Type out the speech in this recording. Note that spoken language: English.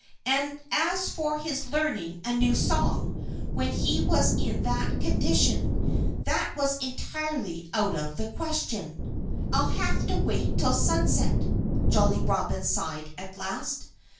And as for his learning a new song when he was in that condition, that was entirely out of the question. "I'll have to wait till sunset," Jolly Robin sighed at last.